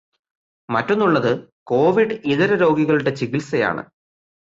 മറ്റൊന്നുള്ളത്, Covid ഇതര രോഗികളുടെ ചികിത്സയാണ്.